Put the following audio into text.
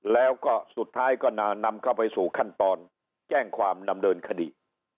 แล้วก็สุดท้ายก็นำเข้าไปสู่ขั้นตอนแจ้งความดำเนินคดี